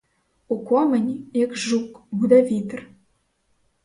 У комині, як жук, гуде вітер.